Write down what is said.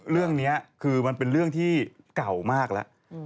เรื่องนี้คือมันเป็นเรื่องที่เก่ามากแล้ว